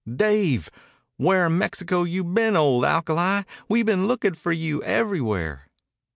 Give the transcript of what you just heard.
"Dave! Where in Mexico you been, old alkali? We been lookin' for you everywhere."